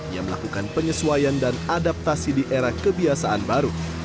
yang melakukan penyesuaian dan adaptasi di era kebiasaan baru